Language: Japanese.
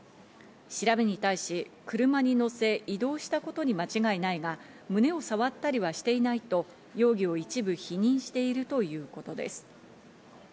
調べに対し、車に乗せ、移動したことに間違いないが、胸を触ったりはしていないと容疑を一部否認しているということです。